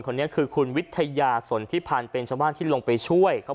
คนนี้คือคุณวิทยาสนทิพันธ์เป็นชาวบ้านที่ลงไปช่วยเขา